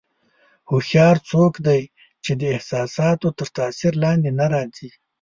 هوښیار څوک دی چې د احساساتو تر تاثیر لاندې نه راځي.